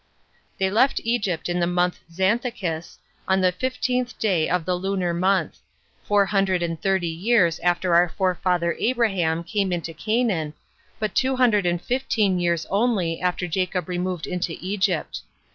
2. They left Egypt in the month Xanthicus, on the fifteenth day of the lunar month; four hundred and thirty years after our forefather Abraham came into Canaan, but two hundred and fifteen years only after Jacob removed into Egypt.